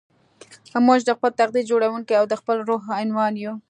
موږ د خپل تقدير جوړوونکي او د خپل روح عنوان يو.